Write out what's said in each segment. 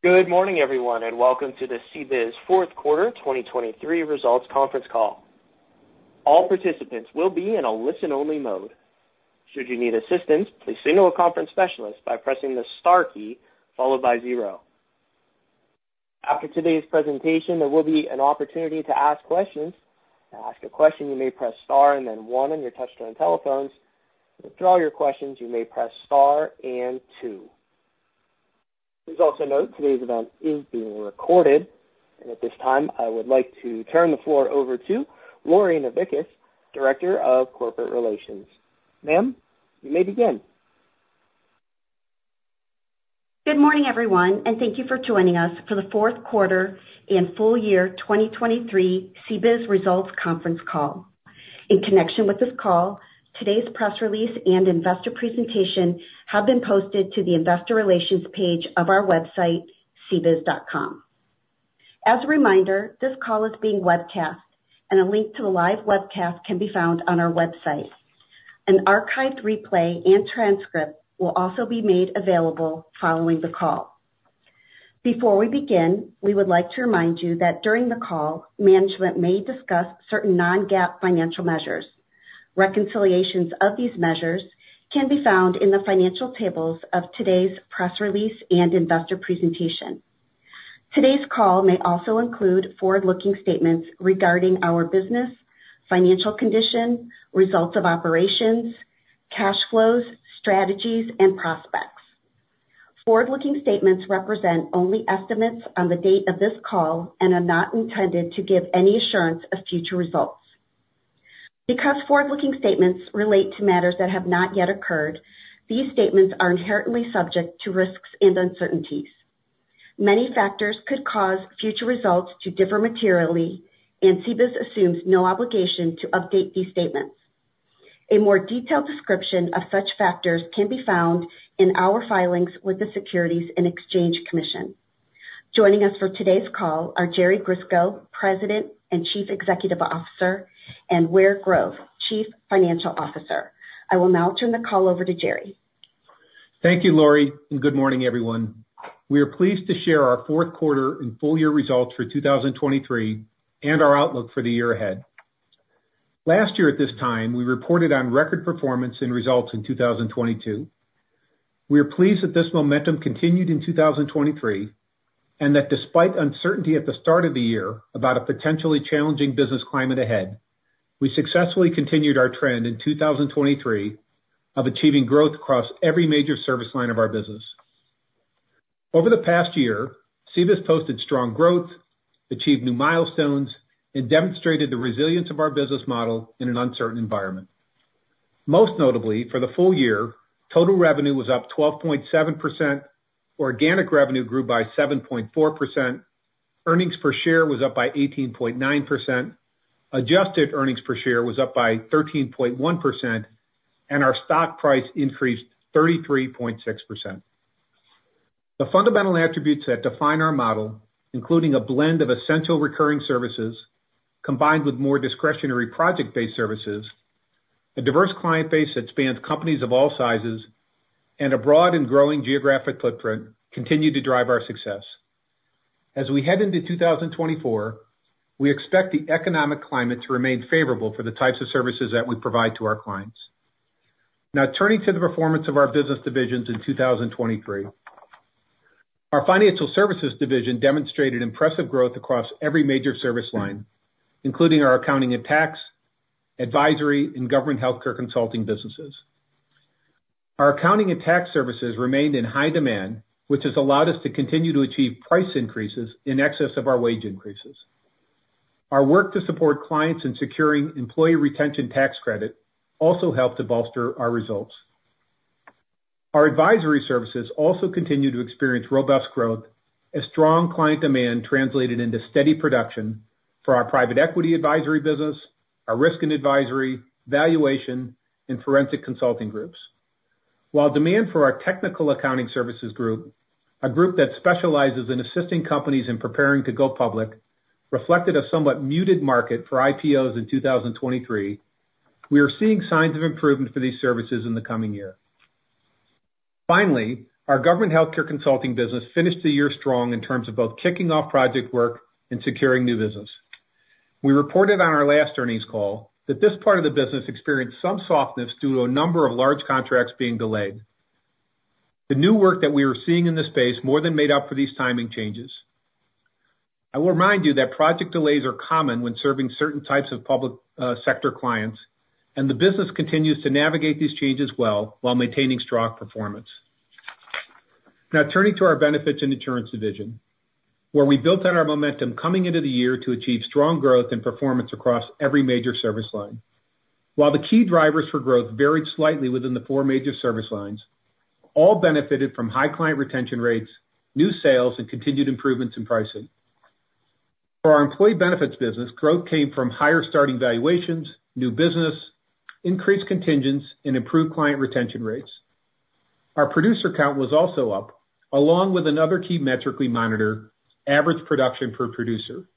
Good morning everyone and welcome to the CBIZ Fourth Quarter 2023 Results Conference Call. All participants will be in a listen-only mode. Should you need assistance please signal a conference specialist by pressing the star key followed by zero. After today's presentation there will be an opportunity to ask questions. To ask a question you may press * and then 1 on your touchscreen telephones. To withdraw your questions you may press star and two. Please also note today's event is being recorded and at this time I would like to turn the floor over to Lori Novickis, Director of Corporate Relations. Ma'am, you may begin. Good morning everyone and thank you for joining us for the fourth quarter and full year 2023 CBIZ results conference call. In connection with this call, today's press release and investor presentation have been posted to the investor relations page of our website, cbiz.com. As a reminder, this call is being webcast and a link to the live webcast can be found on our website. An archived replay and transcript will also be made available following the call. Before we begin, we would like to remind you that during the call management may discuss certain non-GAAP financial measures. Reconciliations of these measures can be found in the financial tables of today's press release and investor presentation. Today's call may also include forward-looking statements regarding our business, financial condition, results of operations, cash flows, strategies, and prospects. Forward-looking statements represent only estimates on the date of this call and are not intended to give any assurance of future results. Forward-looking statements relate to matters that have not yet occurred, these statements are inherently subject to risks and uncertainties. Many factors could cause future results to differ materially, and CBIZ assumes no obligation to update these statements. A more detailed description of such factors can be found in our filings with the Securities and Exchange Commission. Joining us for today's call are Jerry Grisko, President and Chief Executive Officer, and Ware Grove, Chief Financial Officer. I will now turn the call over to Jerry. Thank you Lori, and good morning, everyone. We are pleased to share our fourth quarter and full year results for 2023 and our outlook for the year ahead. Last year at this time we reported on record performance in results in 2022. We are pleased that this momentum continued in 2023 and that despite uncertainty at the start of the year about a potentially challenging business climate ahead we successfully continued our trend in 2023 of achieving growth across every major service line of our business. Over the past year CBIZ posted strong growth achieved new milestones and demonstrated the resilience of our business model in an uncertain environment. Most notably for the full year total revenue was up 12.7%, organic revenue grew by 7.4%, earnings per share was up by 18.9%, adjusted earnings per share was up by 13.1%, and our stock price increased 33.6%. The fundamental attributes that define our model, including a blend of essential recurring services combined with more discretionary project-based services, a diverse client base that spans companies of all sizes, a broad and growing geographic footprint continue to drive our success. As we head into 2024, we expect the economic climate to remain favorable for the types of services that we provide to our clients. Now turning to the performance of our business divisions in 2023. Our financial services division demonstrated impressive growth across every major service line, including our accounting and tax, advisory, and government healthcare consulting businesses. Our accounting and tax services remained in high demand, which has allowed us to continue to achieve price increases in excess of our wage increases. Our work to support clients in securing Employee Retention Tax Credit, also helped to bolster our results. Our advisory services also continue to experience robust growth, as strong client demand translated into steady production for our private equity advisory business, our risk and advisory valuation and forensic consulting groups. While demand for our technical accounting services group, a group that specializes in assisting companies in preparing to go public, reflected a somewhat muted market for IPOs in 2023, we are seeing signs of improvement for these services in the coming year. Finally, our government healthcare consulting business finished the year strong in terms of both kicking off project work and securing new business. We reported on our last earnings call that this part of the business experienced some softness due to a number of large contracts being delayed. The new work that we were seeing in this space more than made up for these timing changes. I will remind you that project delays are common when serving certain types of public sector clients and the business continues to navigate these changes well while maintaining strong performance. Now turning to our benefits and insurance division where we built on our momentum coming into the year to achieve strong growth and performance across every major service line. While the key drivers for growth varied slightly within the 4 major service lines, all benefited from high client retention rates, new sales, and continued improvements in pricing. For our employee benefits business, growth came from higher starting valuations, new business, increased contingents, and improved client retention rates. Our producer count was also up, along with another key metric we monitor, average production per producer.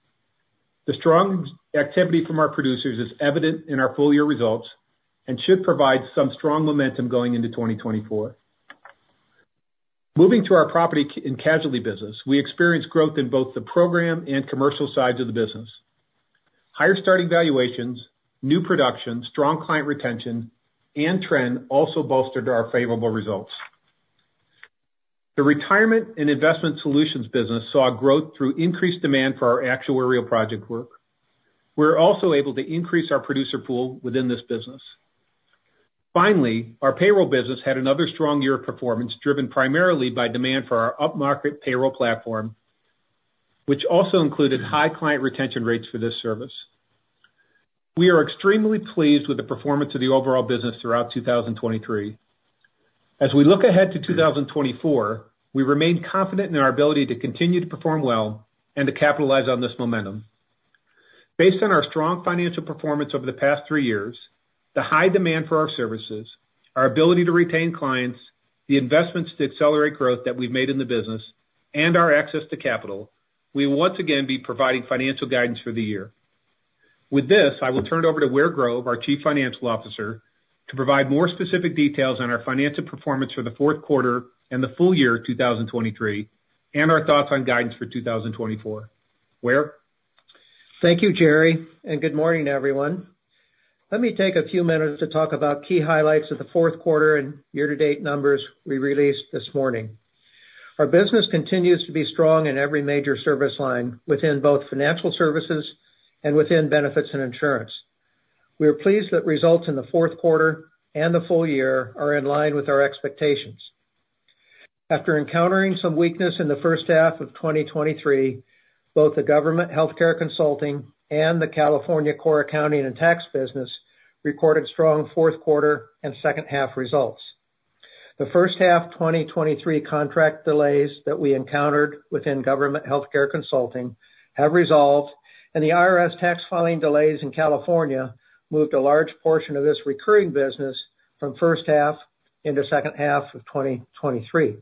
The strong activity from our producers is evident in our full year results and should provide some strong momentum going into 2024. Moving to our property and casualty business, we experienced growth in both the program and commercial sides of the business. Higher starting valuations, new production, strong client retention, and trend also bolstered our favorable results. The retirement and investment solutions business saw growth through increased demand for our actuarial project work. We were also able to increase our producer pool within this business. Finally, our payroll business had another strong year of performance driven primarily by demand for our upmarket payroll platform, which also included high client retention rates for this service. We are extremely pleased with the performance of the overall business throughout 2023. As we look ahead to 2024, we remain confident in our ability to continue to perform well and to capitalize on this momentum. Based on our strong financial performance over the past three years, the high demand for our services, our ability to retain clients, the investments to accelerate growth that we've made in the business, and our access to capital, we will once again be providing financial guidance for the year. With this, I will turn it over to Ware Grove, our Chief Financial Officer, to provide more specific details on our financial performance for the fourth quarter and the full year 2023 and our thoughts on guidance for 2024. Ware? Thank you Jerry and good morning everyone. Let me take a few minutes to talk about key highlights of the fourth quarter and year-to-date numbers we released this morning. Our business continues to be strong in every major service line within both financial services and within benefits and insurance. We are pleased that results in the fourth quarter and the full year are in line with our expectations. After encountering some weakness in the first half of 2023 both the government healthcare consulting and the California core accounting and tax business recorded strong fourth quarter and second half results. The first half 2023 contract delays that we encountered within government healthcare consulting have resolved and the IRS tax filing delays in California moved a large portion of this recurring business from first half into second half of 2023.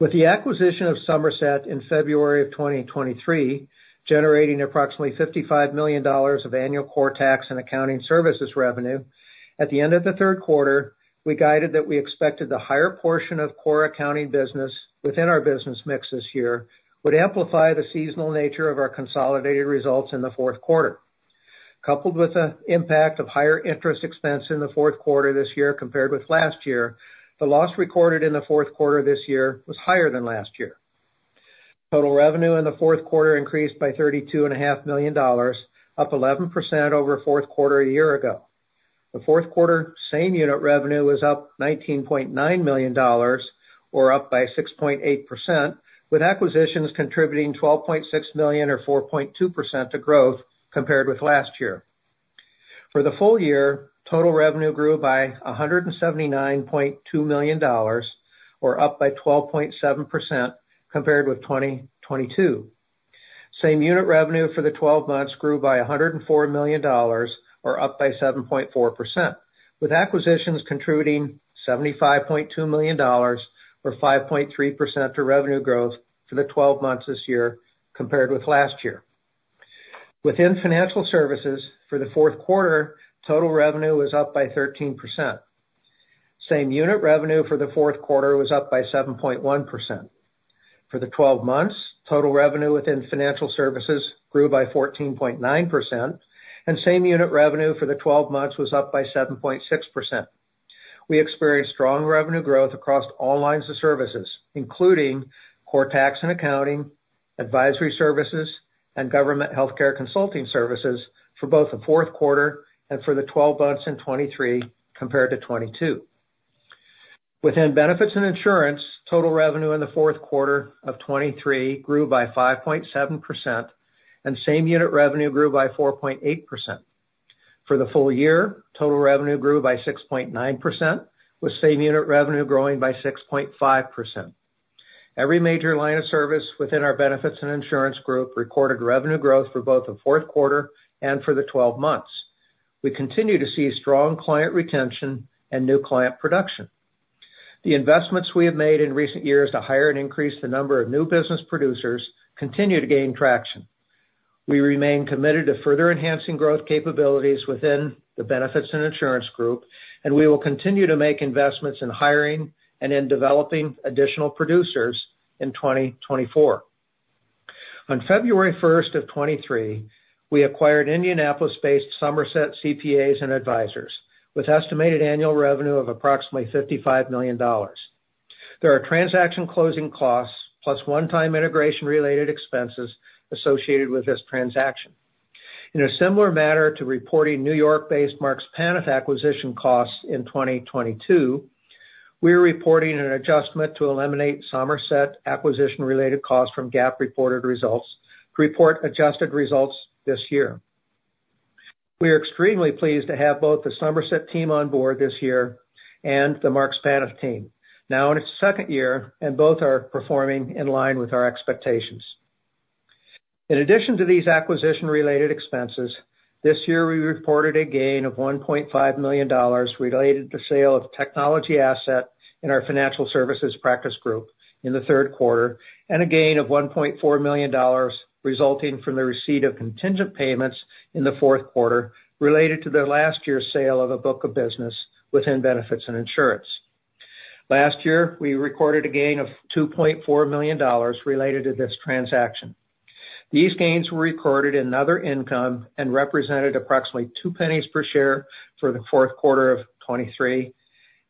With the acquisition of Somerset in February of 2023 , generating approximately $55 million of annual core tax and accounting services revenue. At the end of the third quarter, we guided that we expected the higher portion of core accounting business within our business mix this year would amplify the seasonal nature of our consolidated results in the fourth quarter. Coupled with the impact of higher interest expense in the fourth quarter this year compared with last year, the loss recorded in the fourth quarter this year was higher than last year. Total revenue in the fourth quarter increased by $32.5 million, up 11% over fourth quarter a year ago. The fourth quarter Same Unit Revenue was up $19.9 million or up by 6.8%, with acquisitions contributing $12.6 million or 4.2% to growth compared with last year. For the full year total revenue grew by $179.2 million or up by 12.7% compared with 2022. Same unit revenue for the 12 months grew by $104 million or up by 7.4% with acquisitions contributing $75.2 million or 5.3% to revenue growth for the 12 months this year compared with last year. Within financial services for the fourth quarter total revenue was up by 13%. Same unit revenue for the fourth quarter was up by 7.1%. The 12 months total revenue within financial services grew by 14.9% and same unit revenue for the 12 months was up by 7.6%. We experienced strong revenue growth across all lines of services including core tax and accounting advisory services and government healthcare consulting services for both the fourth quarter and for the 12 months in 2023 compared to 2022. Within Benefits and Insurance total revenue in the fourth quarter of 2023 grew by 5.7% and same-unit revenue grew by 4.8%. The full year total revenue grew by 6.9% with same-unit revenue growing by 6.5%. Every major line of service within our Benefits and Insurance group recorded revenue growth for both the fourth quarter and for the 12 months. We continue to see strong client retention and new client production. The investments we have made in recent years to hire and increase the number of new business producers continue to gain traction. We remain committed to further enhancing growth capabilities within the Benefits and Insurance group and we will continue to make investments in hiring and in developing additional producers in 2024. On February 1st of 2023 we acquired Indianapolis-based Somerset CPAs and Advisors with estimated annual revenue of approximately $55 million. There are transaction closing costs plus one-time integration-related expenses associated with this transaction. In a similar manner to reporting New York-based Marks Paneth acquisition costs in 2022 we are reporting an adjustment to eliminate Somerset acquisition-related costs from GAAP reported results to report adjusted results this year. We are extremely pleased to have both the Somerset team on board this year and the Marks Paneth team. Now in its second year and both are performing in line with our expectations. In addition to these acquisition-related expenses this year we reported a gain of $1.5 million related to sale of technology asset in our financial services practice group in the third quarter and a gain of $1.4 million resulting from the receipt of contingent payments in the fourth quarter related to the last year's sale of a book of business within benefits and insurance. Last year we recorded a gain of $2.4 million related to this transaction. These gains were recorded in other income and represented approximately $0.02 per share for the fourth quarter of 2023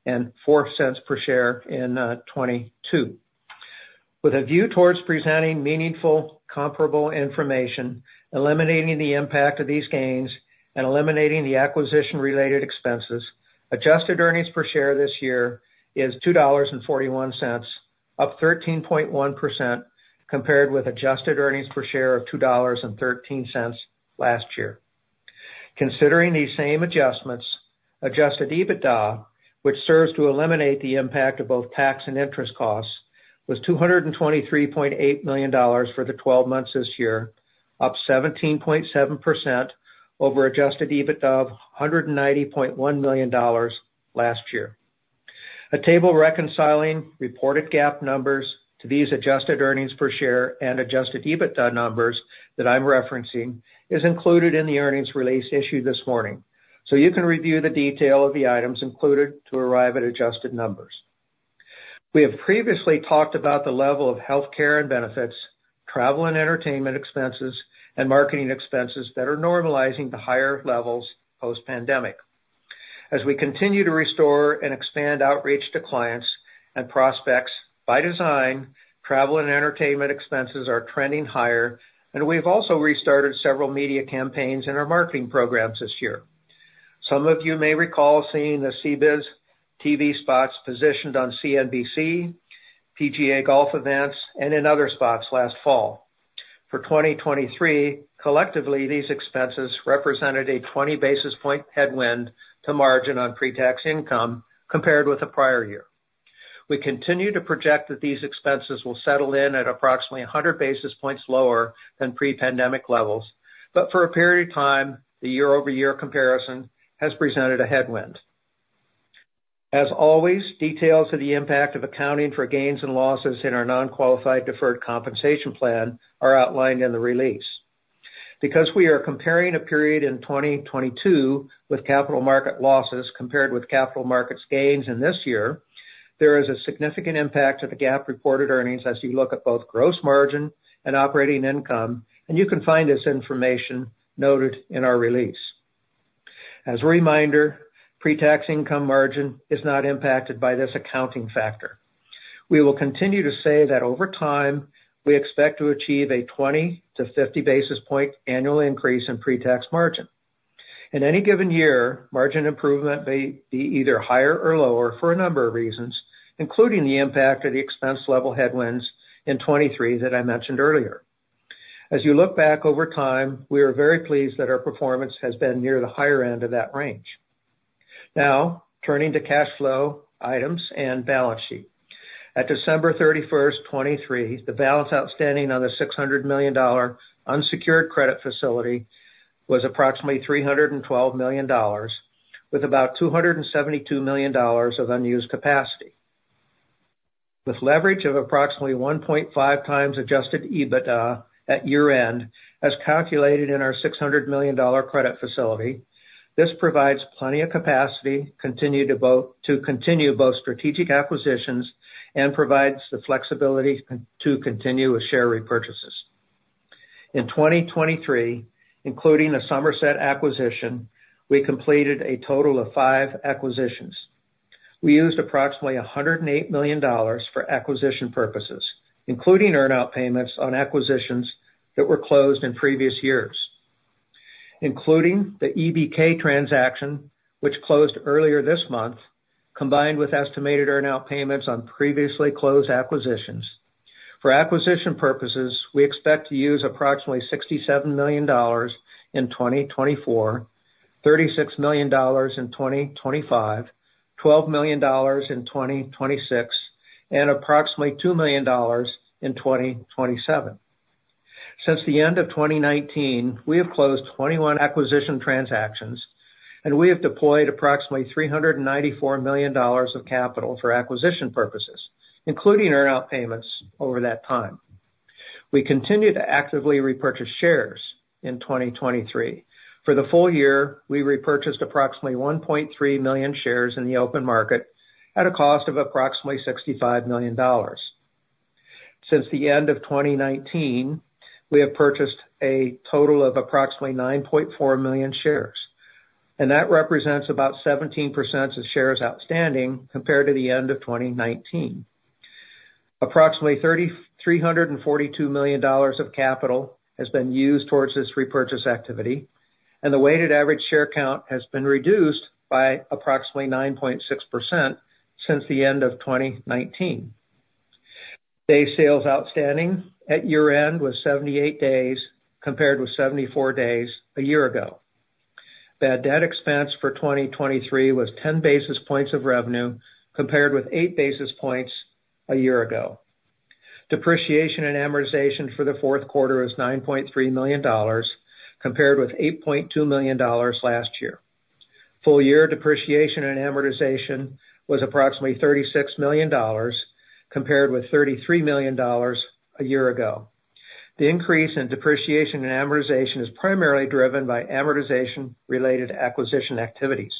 and $0.04 per share in 2022. With a view toward presenting meaningful comparable information, eliminating the impact of these gains and eliminating the acquisition-related expenses. Adjusted earnings per share this year is $2.41, up 13.1% compared with adjusted earnings per share of $2.13 last year. Considering these same adjustments, adjusted EBITDA, which serves to eliminate the impact of both tax and interest costs, was $223.8 million for the 12 months this year, up 17.7% over adjusted EBITDA of $190.1 million last year. A table reconciling reported GAAP numbers to these Adjusted Earnings Per Share and Adjusted EBITDA numbers that I'm referencing is included in the earnings release issued this morning, you can review the detail of the items included to arrive at adjusted numbers. We have previously talked about the level of healthcare and benefits travel and entertainment expenses and marketing expenses that are normalizing to higher levels post-pandemic. As we continue to restore and expand outreach to clients and prospects by design travel and entertainment expenses are trending higher and we have also restarted several media campaigns in our marketing programs this year. Some of you may recall seeing the CBIZ TV spots positioned on CNBC PGA Golf events and in other spots last fall. For 2023 collectively these expenses represented a 20 basis point headwind to margin on pre-tax income compared with the prior year. We continue to project that these expenses will settle in at approximately 100 basis points lower than pre-pandemic levels, but for a period of time the year-over-year comparison has presented a headwind. As always, details of the impact of accounting for gains and losses in our Non-Qualified Deferred Compensation Plan are outlined in the release. We are comparing a period in 2022 with capital market losses compared with capital markets gains in this year, there is a significant impact to the GAAP reported earnings as you look at both gross margin and operating income, and you can find this information noted in our release. As a reminder, pre-tax income margin is not impacted by this accounting factor. We will continue to say that over time we expect to achieve a 20-50 basis point annual increase in pre-tax margin. In any given year margin improvement may be either higher or lower for a number of reasons including the impact of the expense level headwinds in 2023 that I mentioned earlier. As you look back over time we are very pleased that our performance has been near the higher end of that range. Now turning to cash flow items and balance sheet. At December 31st, 2023 the balance outstanding on the $600 million unsecured credit facility was approximately $312 million with about $272 million of unused capacity. With leverage of approximately 1.5x Adjusted EBITDA at year-end as calculated in our $600 million credit facility this provides plenty of capacity to continue both strategic acquisitions and provides the flexibility to continue with share repurchases. In 2023 including the Somerset acquisition we completed a total of five acquisitions. We used approximately $108 million for acquisition purposes including earnout payments on acquisitions that were closed in previous years. Including the EBK transaction, which closed earlier this month, combined with estimated earnout payments on previously closed acquisitions for acquisition purposes, we expect to use approximately $67 million in 2024, $36 million in 2025, $12 million in 2026, and approximately $2 million in 2027. Since the end of 2019 we have closed 21 acquisition transactions and we have deployed approximately $394 million of capital for acquisition purposes including earnout payments over that time. We continue to actively repurchase shares in 2023. For the full year we repurchased approximately 1.3 million shares in the open market at a cost of approximately $65 million. Since the end of 2019 we have purchased a total of approximately 9.4 million shares and that represents about 17% of shares outstanding compared to the end of 2019. Approximately $342 million of capital has been used towards this repurchase activity and the weighted average share count has been reduced by approximately 9.6% since the end of 2019. Day sales outstanding at year-end was 78 days compared with 74 days a year ago. Bad debt expense for 2023 was 10 basis points of revenue compared with 8 basis points a year ago. Depreciation and amortization for the fourth quarter is $9.3 million compared with $8.2 million last year. Full year depreciation and amortization was approximately $36 million compared with $33 million a year ago. The increase in depreciation and amortization is primarily driven by amortization-related acquisition activities.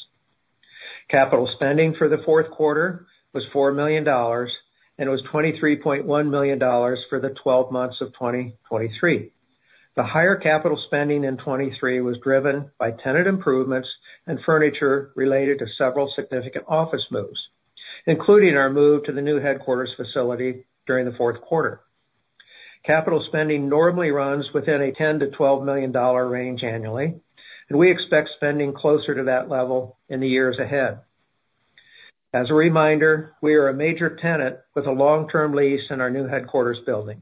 Capital spending for the fourth quarter was $4 million and it was $23.1 million for the 12 months of 2023. The higher capital spending in 2023 was driven by tenant improvements and furniture related to several significant office moves including our move to the new headquarters facility during the fourth quarter. Capital spending normally runs within a $10-$12 million range annually and we expect spending closer to that level in the years ahead. As a reminder we are a major tenant with a long-term lease in our new headquarters building.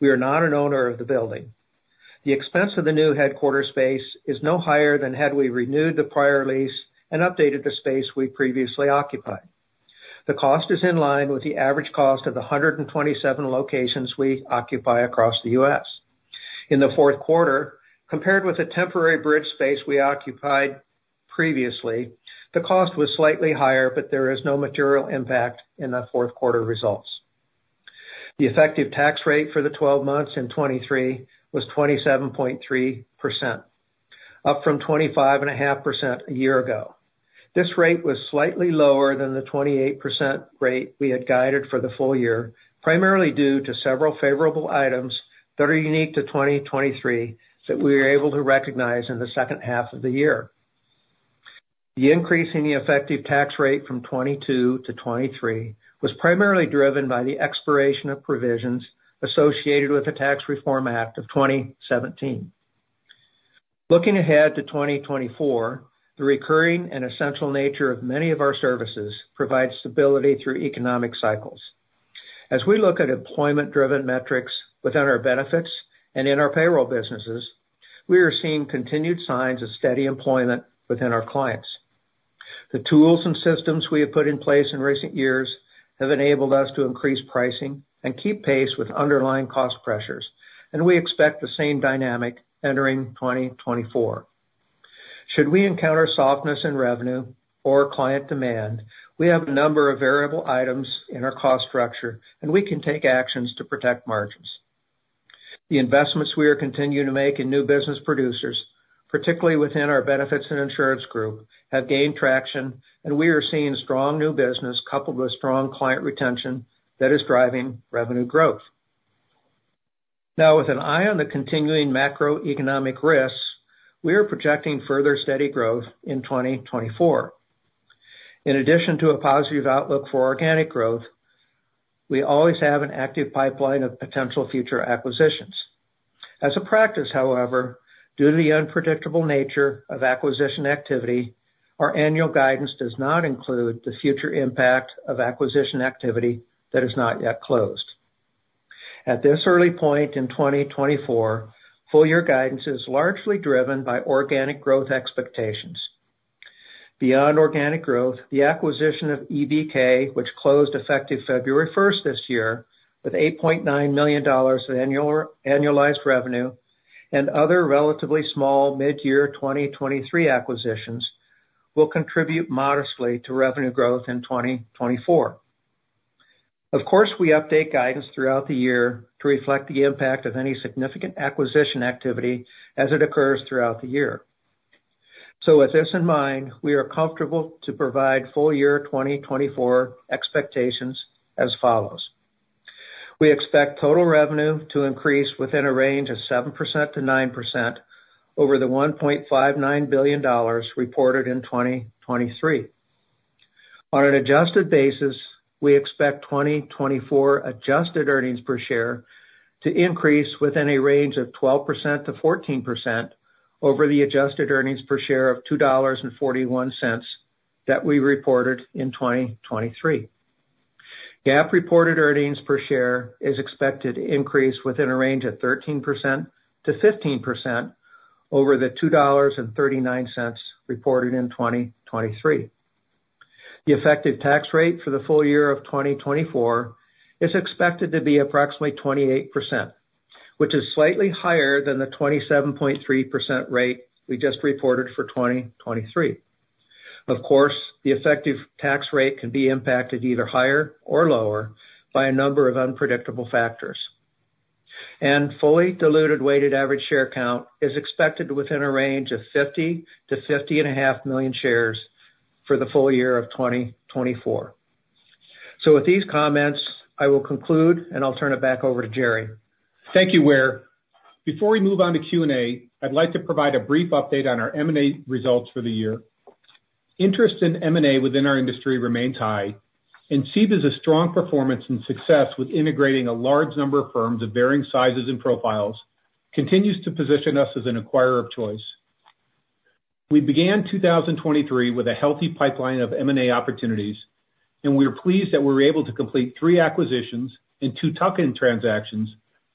We are not an owner of the building. The expense of the new headquarters space is no higher than had we renewed the prior lease and updated the space we previously occupied. The cost is in line with the average cost of the 127 locations we occupy across the U.S. In the fourth quarter, compared with the temporary bridge space we occupied previously, the cost was slightly higher, but there is no material impact in the fourth quarter results. The effective tax rate for the 12 months in 2023 was 27.3%, up from 25.5% a year ago. This rate was slightly lower than the 28% rate we had guided for the full year, primarily due to several favorable items that are unique to 2023 that we were able to recognize in the second half of the year. The increase in the effective tax rate from 2022 to 2023 was primarily driven by the expiration of provisions associated with the Tax Reform Act of 2017. Looking ahead to 2024, the recurring and essential nature of many of our services provides stability through economic cycles. As we look at employment-driven metrics within our benefits and in our payroll businesses, we are seeing continued signs of steady employment within our clients. The tools and systems we have put in place in recent years have enabled us to increase pricing and keep pace with underlying cost pressures, we expect the same dynamic entering 2024. Should we encounter softness in revenue or client demand, we have a number of variable items in our cost structure, and we can take actions to protect margins. The investments we are continuing to make in new business producers, particularly within our benefits and insurance group, have gained traction, and we are seeing strong new business coupled with strong client retention that is driving revenue growth. Now, with an eye on the continuing macroeconomic risks, we are projecting further steady growth in 2024. In addition to a positive outlook for organic growth, we always have an active pipeline of potential future acquisitions. As a practice however, due to the unpredictable nature of acquisition activity, our annual guidance does not include the future impact of acquisition activity that is not yet closed. At this early point in 2024, full year guidance is largely driven by organic growth expectations. Beyond organic growth, the acquisition of EBK, which closed effective February 1st this year with $8.9 million of annualized revenue, and other relatively small mid-year 2023 acquisitions will contribute modestly to revenue growth in 2024. Of course, we update guidance throughout the year to reflect the impact of any significant acquisition activity as it occurs throughout the year. With this in mind, we are comfortable to provide full year 2024 expectations as follows. We expect total revenue to increase within a range of 7%-9% over the $1.59 billion reported in 2023. On an adjusted basis we expect 2024 adjusted earnings per share to increase within a range of 12%-14% over the adjusted earnings per share of $2.41 that we reported in 2023. GAAP reported earnings per share is expected to increase within a range of 13%-15% over the $2.39 reported in 2023. The effective tax rate for the full year of 2024 is expected to be approximately 28%, which is slightly higher than the 27.3% rate we just reported for 2023. Of course the effective tax rate can be impacted either higher or lower by a number of unpredictable factors. Fully diluted weighted average share count is expected within a range of 50-50.5 million shares for the full year of 2024. With these comments I will conclude and I'll turn it back over to Jerry. Thank you, Ware. Before we move on to Q&A I'd like to provide a brief update on our M&A results for the year. Interest in M&A within our industry remains high and CBIZ's strong performance and success with integrating a large number of firms of varying sizes and profiles continues to position us as an acquirer of choice. We began 2023 with a healthy pipeline of M&A opportunities and we are pleased that we were able to complete three acquisitions and two tuck-in transactions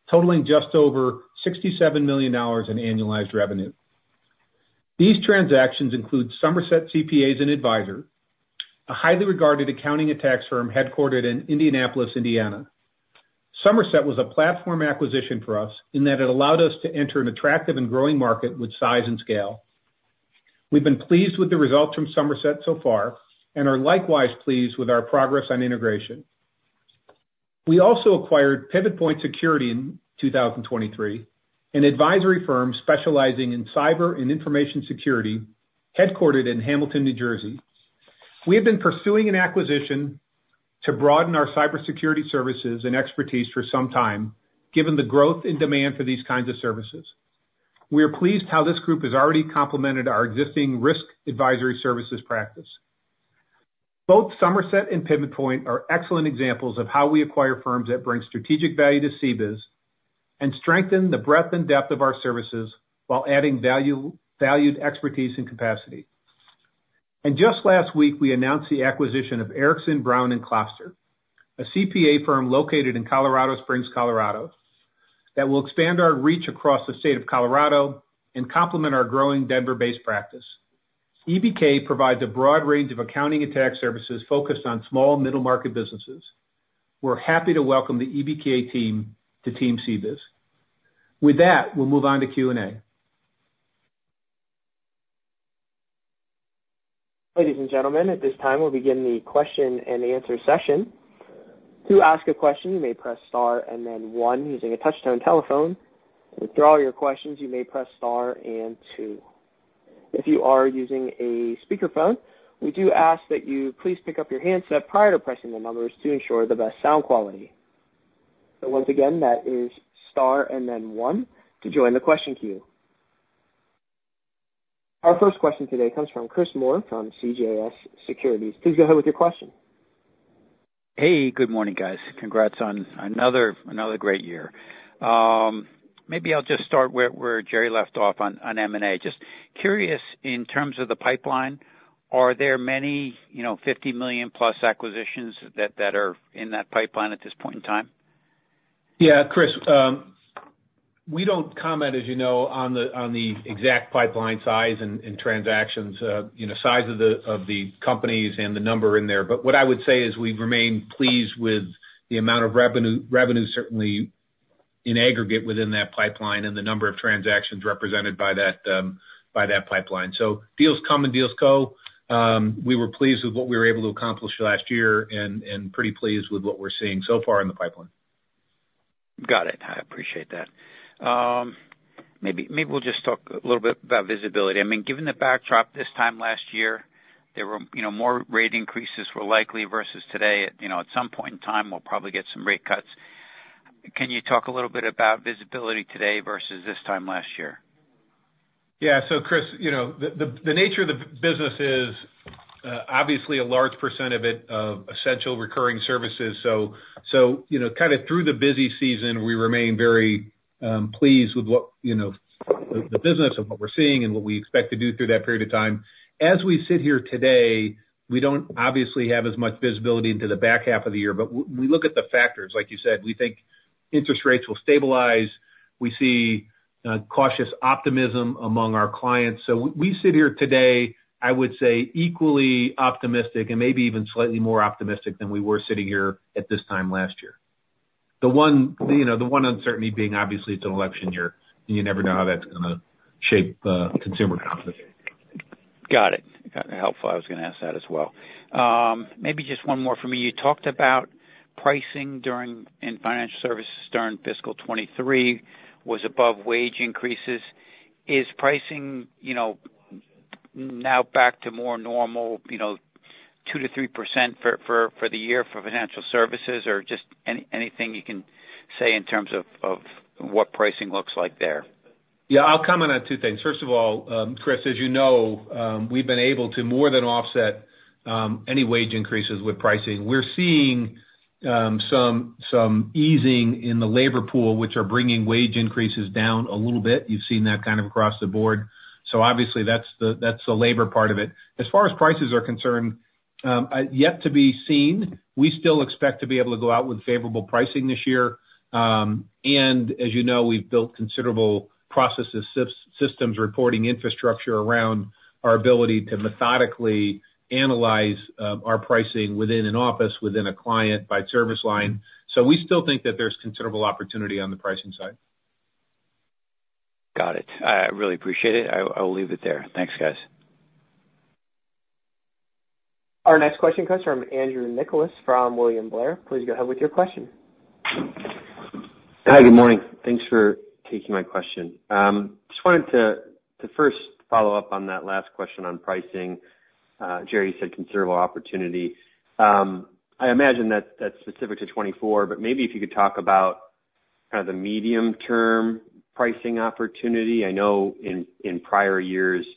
totaling just over $67 million in annualized revenue. These transactions include Somerset CPAs and Advisors, a highly regarded accounting and tax firm headquartered in Indianapolis, Indiana. Somerset was a platform acquisition for us in that it allowed us to enter an attractive and growing market with size and scale. We've been pleased with the results from Somerset so far and are likewise pleased with our progress on integration. We also acquired Pivot Point Security in 2023, an advisory firm specializing in cyber and information security headquartered in Hamilton, New Jersey. We have been pursuing an acquisition to broaden our cybersecurity services and expertise for some time given the growth in demand for these kinds of services. We are pleased how this group has already complemented our existing risk advisory services practice. Both Somerset and PivotPoint are excellent examples of how we acquire firms that bring strategic value to CBIZ and strengthen the breadth and depth of our services while adding valued expertise and capacity. Just last week we announced the acquisition of Erickson, Brown, and Kloster a CPA firm located in Colorado Springs, Colorado that will expand our reach across the state of Colorado and complement our growing Denver-based practice. EBK provides a broad range of accounting and tax services focused on small and middle market businesses. We're happy to welcome the EBK team to Team CBIZ. With that we'll move on to Q&A. Ladies and gentlemen, at this time we'll begin the question and answer session. To ask a question you may press star and then one using a touch-tone telephone. To withdraw your questions you may press star and two. If you are using a speakerphone we do ask that you please pick up your handset prior to pressing the numbers to ensure the best sound quality. So once again that is star and then one to join the question queue. Our first question today comes from Chris Moore from CJS Securities. Please go ahead with your question. Hey, good morning, guys. Congrats on another great year. Maybe I'll just start where Jerry left off on M&A. Just curious, in terms of the pipeline, are there many $50 million+ acquisitions that are in that pipeline at this point in time? Yeah, Chris. We don't comment, as you know, on the exact pipeline size and transactions size of the companies and the number in there, what I would say is we've remained pleased with the amount of revenue certainly in aggregate within that pipeline and the number of transactions represented by that pipeline. Deals come and deals go. We were pleased with what we were able to accomplish last year and pretty pleased with what we're seeing so far in the pipeline. Got it. I appreciate that. Maybe we'll just talk a little bit about visibility. I mean given the backdrop this time last year there were more rate increases were likely versus today. At some point in time we'll probably get some rate cuts. Can you talk a little bit about visibility today versus this time last year? Yeah, Chris, the nature of the business is obviously a large percent of it of essential recurring services. Kind of through the busy season we remain very pleased with the business of what we're seeing and what we expect to do through that period of time. As we sit here today we don't obviously have as much visibility into the back half of the year, when we look at the factors like you said we think interest rates will stabilize. We see cautious optimism among our clients. We sit here today I would say equally optimistic and maybe even slightly more optimistic than we were sitting here at this time last year. The one uncertainty being obviously it's an election year and you never know how that's going to shape consumer confidence. Got it. Helpful. I was going to ask that as well. Maybe just one more for me. You talked about pricing during and financial services during fiscal 2023 was above wage increases. Is pricing now back to more normal 2%-3% for the year for financial services or just anything you can say in terms of what pricing looks like there? Yeah, I'll comment on two things. First of all, Chris, as you know, we've been able to more than offset any wage increases with pricing. We're seeing some easing in the labor pool which are bringing wage increases down a little bit. You've seen that kind of across the board. Obviously that's the labor part of it. As far as prices are concerned, yet to be seen, we still expect to be able to go out with favorable pricing this year. We've built considerable processes, systems, reporting infrastructure around our ability to methodically analyze our pricing within an office, within a client, by service line. So we still think that there's considerable opportunity on the pricing side. Got it. I really appreciate it. I will leave it there. Thanks guys. Our next question comes from Andrew Nicholas from William Blair. Please go ahead with your question. Hi, good morning. Thanks for taking my question. Just wanted to first follow up on that last question on pricing. Jerry said considerable opportunity. I imagine that's specific to 2024 but maybe if you could talk about kind of the medium term pricing opportunity. In prior years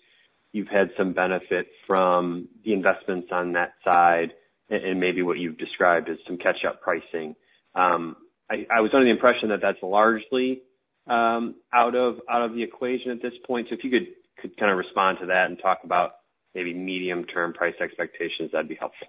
you've had some benefit from the investments on that side and maybe what you've described as some catch-up pricing. I was under the impression that that's largely out of the equation at this point. So if you could kind of respond to that and talk about maybe medium term price expectations that'd be helpful.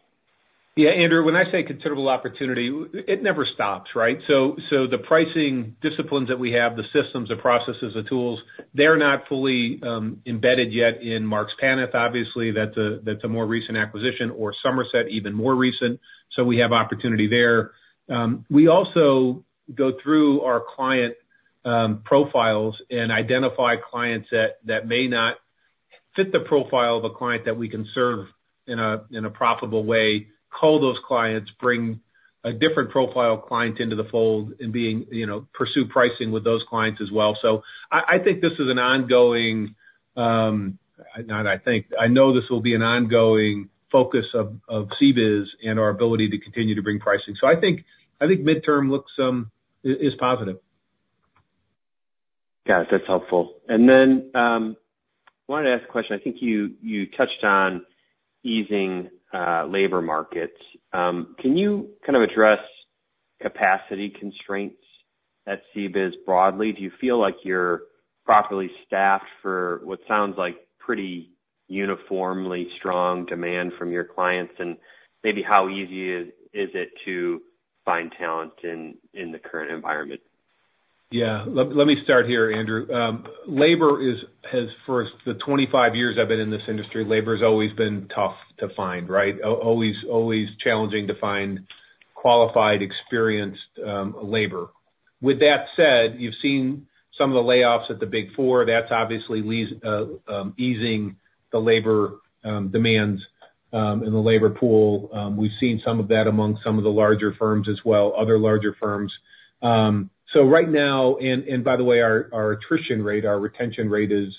Yeah Andrew, when I say considerable opportunity it never stops, right? The pricing disciplines that we have, the systems, the processes, the tools they're not fully embedded yet in Marks Paneth obviously. That's a more recent acquisition or Somerset even more recent. We have opportunity there. We also go through our client profiles and identify clients that may not fit the profile of a client that we can serve in a profitable way, call those clients, bring a different profile client into the fold and pursue pricing with those clients as well. I think this is an ongoing not I think. I know this will be an ongoing focus of CBIZ and our ability to continue to bring pricing. I think mid term looks is positive. Got it. That's helpful. Then I wanted to ask a question. I think you touched on easing labor markets. Can you kind of address capacity constraints at CBIZ broadly? Do you feel like you're properly staffed for what sounds like pretty uniformly strong demand from your clients and maybe how easy is it to find talent in the current environment? Yeah, let me start here, Andrew. Labor is, for the 25 years I've been in this industry, labor has always been tough to find, right? Always challenging to find qualified, experienced labor. With that said, you've seen some of the layoffs at the Big Four. That's obviously easing the labor demands in the labor pool. We've seen some of that among some of the larger firms as well, other larger firms. Right now, our attrition rate, our retention rate is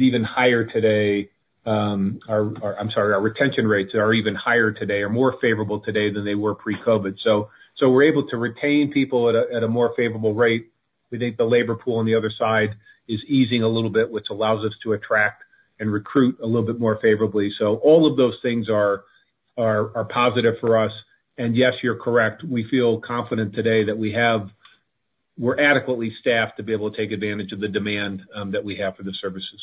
even higher today. I'm sorry, our retention rates are even higher today, are more favorable today than they were pre-COVID. So we're able to retain people at a more favorable rate. We think the labor pool on the other side is easing a little bit, which allows us to attract and recruit a little bit more favorably. All of those things are positive for us. Yes, you're correct. We feel confident today that we're adequately staffed to be able to take advantage of the demand that we have for the services.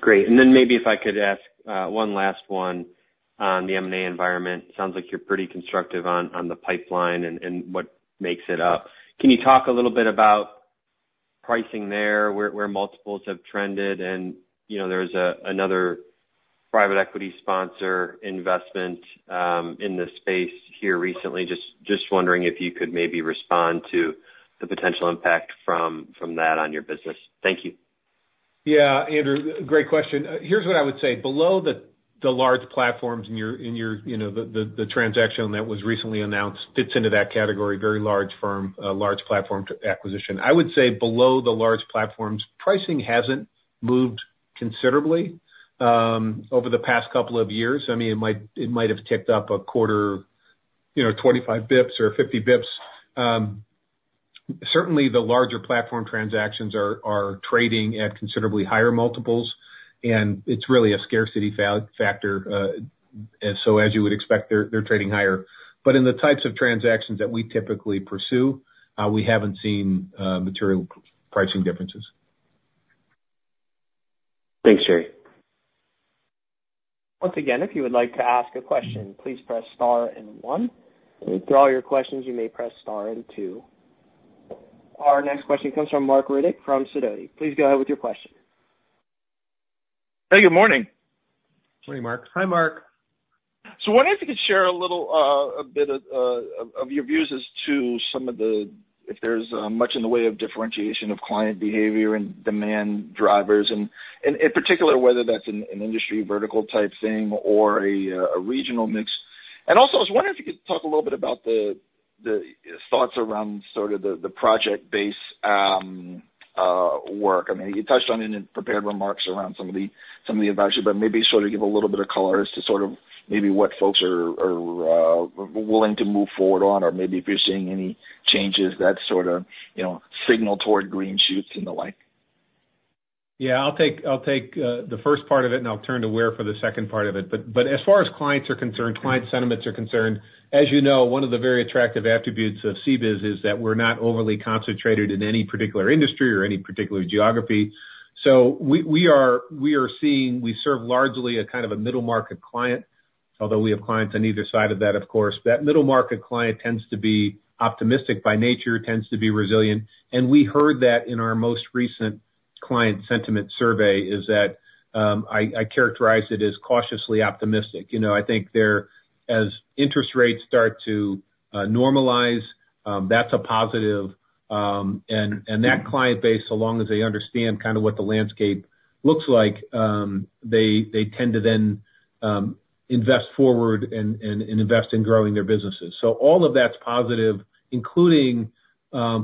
Great. Maybe if I could ask one last one on the M&A environment. Sounds like you're pretty constructive on the pipeline and what makes it up. Can you talk a little bit about pricing there where multiples have trended? There's another private equity sponsor investment in this space here recently. Just wondering if you could maybe respond to the potential impact from that on your business. Thank you. Yeah, Andrew. Great question. Here's what I would say. Below the large platforms, the transaction that was recently announced fits into that category: very large firm, large platform acquisition. I would say below the large platforms pricing hasn't moved considerably over the past couple of years. I mean it might have ticked up a quarter, 25 bps or 50 bps. Certainly the larger platform transactions are trading at considerably higher multiples and it's really a scarcity factor. So as you would expect they're trading higher. But in the types of transactions that we typically pursue, we haven't seen material pricing differences. Thanks Jerry. Once again, if you would like to ask a question, please press star and one. To withdraw your questions, you may press star and two. Our next question comes from Mark Riddick from Sidoti. Please go ahead with your question. Hey good morning. Morning Mark. Hi Mark. I wonder if you could share a little bit of your views as to some of the, if there's much in the way of differentiation of client behavior and demand drivers and in particular whether that's an industry vertical type thing or a regional mix. I was wondering if you could talk a little bit about the thoughts around sort of the project-based work. I mean you touched on it in prepared remarks around some of the advisory, sort of give a little bit of color as to sort of maybe what folks are willing to move forward, if you're seeing any changes that sort of signal toward green shoots and the like. Yeah, I'll take the first part of it and I'll turn to Ware for the second part of it. As far as clients are concerned, client sentiments are concerned, as you know, one of the very attractive attributes of CBIZ is that we're not overly concentrated in any particular industry or any particular geography. We are seeing we serve largely a kind of a middle market client although we have clients on either side of that of course. That middle market client tends to be optimistic by nature, tends to be resilient. We heard that in our most recent client sentiment survey is that I characterize it as cautiously optimistic. I think there as interest rates start to normalize that's a positive. That client base as long as they understand kind of what the landscape looks like they tend to then invest forward and invest in growing their businesses. All of that's positive including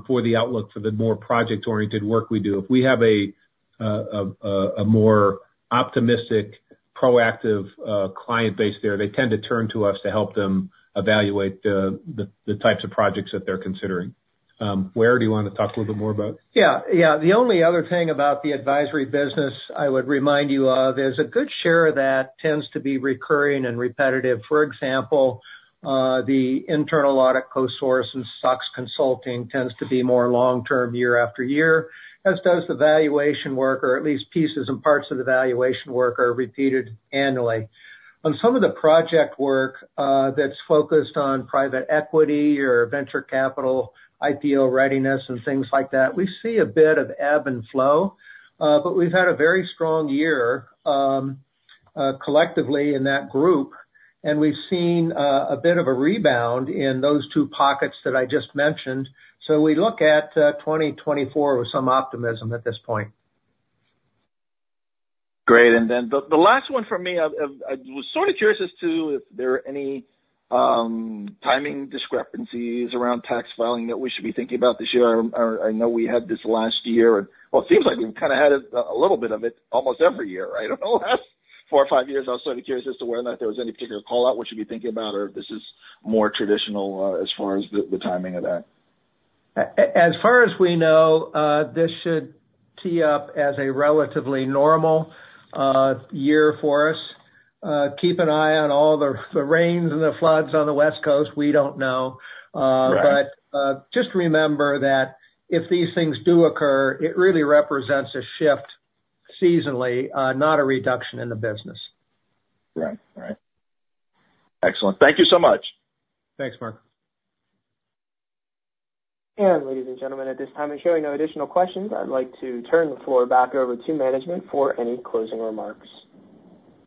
for the outlook for the more project oriented work we do. If we have a more optimistic, proactive client base there, they tend to turn to us to help them evaluate the types of projects that they're considering. Ware, do you want to talk a little bit more about? Yeah. Yeah. The only other thing about the advisory business I would remind you of is a good share of that tends to be recurring and repetitive. For example, the internal audit co-source and SOX consulting tends to be more long term year after year as does the valuation work or at least pieces and parts of the valuation work are repeated annually. On some of the project work that's focused on private equity or venture capital, IPO readiness and things like that we see a bit of ebb and flow but we've had a very strong year collectively in that group and we've seen a bit of a rebound in those two pockets that I just mentioned. We look at 2024 with some optimism at this point. Great. The last one for me. I was sort of curious as to if there are any timing discrepancies around tax filing that we should be thinking about this year. I know we had this last year, it seems like we've kind of had a little bit of it almost every year, right? Over the last four or five years, I was sort of curious as to whether or not there was any particular call out we should be thinking about or if this is more traditional as far as the timing of that. As far as we know this should tee up as a relatively normal year for us. Keep an eye on all the rains and the floods on the West Coast. We don't know. But just remember that if these things do occur it really represents a shift seasonally not a reduction in the business. Right. Right. Excellent. Thank you so much. Thanks Mark. Ladies and gentlemen, at this time, and showing no additional questions, I'd like to turn the floor back over to management for any closing remarks.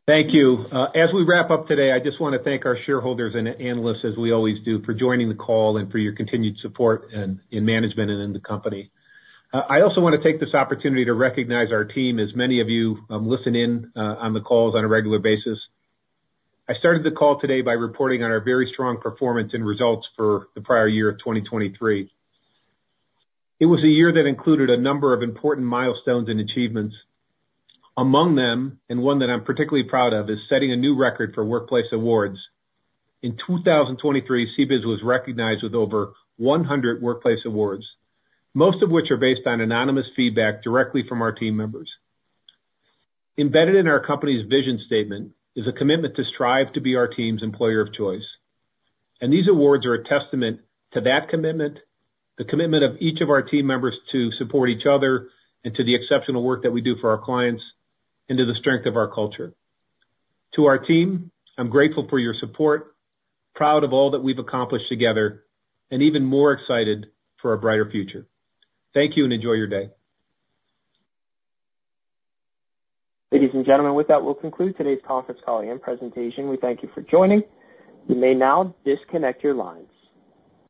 Thank you. As we wrap up today, I just want to thank our shareholders and analysts as we always do for joining the call and for your continued support in management and in the company. I want to take this opportunity to recognize our team as many of you listen in on the calls on a regular basis. I started the call today by reporting on our very strong performance and results for the prior year of 2023. It was a year that included a number of important milestones and achievements. Among them and one that I'm particularly proud of is setting a new record for workplace awards. In 2023 CBIZ was recognized with over 100 workplace awards, most of which are based on anonymous feedback directly from our team members. Embedded in our company's vision statement is a commitment to strive to be our team's employer of choice. These awards are a testament to that commitment, the commitment of each of our team members to support each other and to the exceptional work that we do for our clients and to the strength of our culture. To our team, I'm grateful for your support, proud of all that we've accomplished together and even more excited for a brighter future. Thank you and enjoy your day. Ladies and gentlemen, with that we'll conclude today's conference call and presentation. We thank you for joining. You may now disconnect your lines.